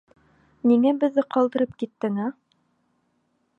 Ниңә беҙҙе ҡалдырып киттең, ә?